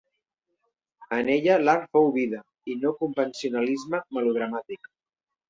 En ella l'art fou vida i no convencionalisme melodramàtic.